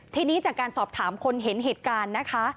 ทีนี้จากการสอบถามคนเห็นเหตุการณ์นะคะ